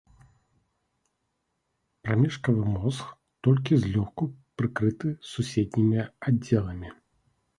Прамежкавы мозг толькі злёгку прыкрыты суседнімі аддзеламі.